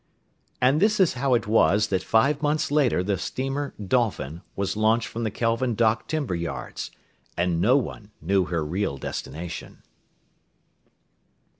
And this is how it was that five months later the steamer Dolphin was launched from the Kelvin Dock timber yards, and no one knew her real destination.